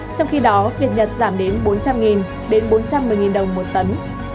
trong khi đó việt nhật giảm đến bốn trăm linh đến bốn trăm một mươi đồng một tấn